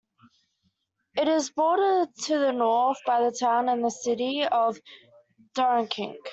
It is bordered to the north by the town and city of Dunkirk.